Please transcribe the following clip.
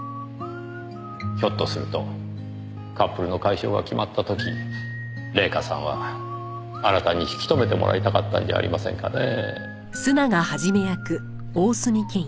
ひょっとするとカップルの解消が決まった時礼夏さんはあなたに引き留めてもらいたかったんじゃありませんかねぇ。